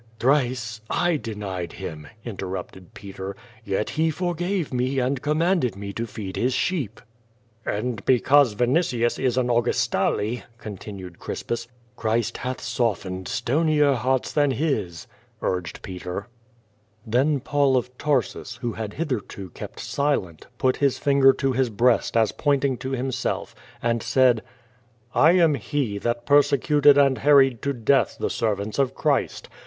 "Tlirice I denied him/' interrupted Peter. "Yet he for gave me and commanded mc to feed his sheep." "And because Vinitius is an Augustale —" continued Cris pus. "Clirist hath aofteued stonier hearts than his," urged Peter. QUO VADJS, 219 Then Paul of Tarsus, who had hitherto kept silent, put his finger to his breast as pointing to himself, and said: "I am he that persecuted and harried to death the servants of Christ.